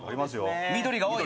緑が多い。